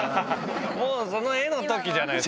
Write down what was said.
もうその絵のときじゃないですか。